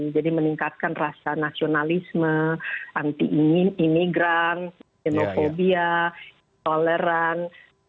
jadi meningkatkan rasa nasionalisme anti imigran xenofobia intoleran